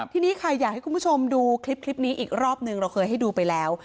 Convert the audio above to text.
ทีนี้ค่ะอยากให้คุณผู้ชมดูคลิปนี้อีกรอบหนึ่งเราเคยให้ดูไปแล้ว